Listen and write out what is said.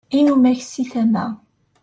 inumak si tama